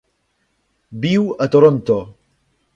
Viu a Toronto.